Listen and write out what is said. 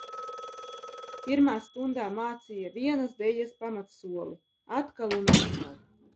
Pirmā stundā mācīja vienas dejas pamatsoli, atkal un atkal.